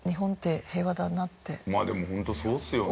まあでもホントそうですよね。